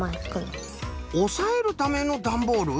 おさえるためのダンボール？